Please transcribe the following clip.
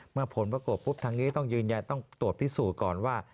เมื่อผลประกบปุ๊บทางนี้ต้องยืนยันต้องตรวจพิสูจน์ก่อนว่า